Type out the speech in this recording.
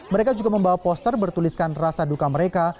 mereka juga membawa poster bertuliskan rasa duka mereka